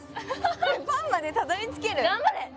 これパンまでたどりつける？